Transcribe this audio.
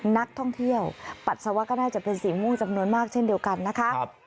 นักท่องเที่ยวปัสสาวะก็น่าจะเป็นสีม่วงจำนวนมากเช่นเดียวกันนะคะ